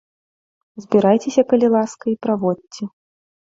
Збірайцеся, калі ласка, і праводзьце.